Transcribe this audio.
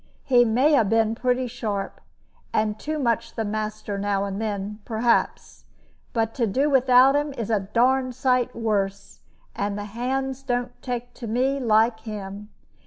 He may have been pretty sharp, and too much the master now and then, perhaps; but to do without him is a darned sight worse, and the hands don't take to me like him.